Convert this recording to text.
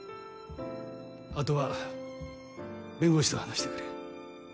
あとは弁護士と話してくれ。